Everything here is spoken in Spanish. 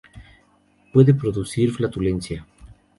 Puede producir flatulencia.